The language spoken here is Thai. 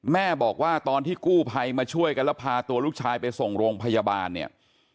แม่บอกว่าตอนที่กู้ภัยมาช่วยกันแล้วพาตัวลูกชายไปส่งโรงพยาบาลเนี่ย